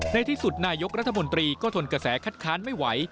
ในที่สุดนายกรัฐมนตรีก็ทนกระแสคัดค้านไม่ไหว